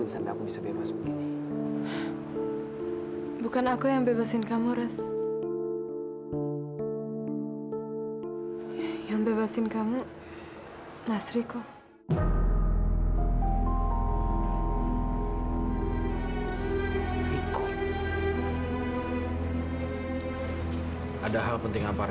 sampai jumpa di video selanjutnya